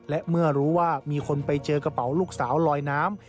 และเมื่อรู้ว่ามีคนไปเจอกระเป๋าลูกสาวลอยน้ำ